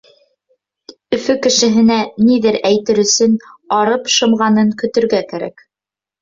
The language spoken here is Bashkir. Өфө кешеһенә ниҙер әйтер өсөн арып шымғанын көтөргә кәрәк.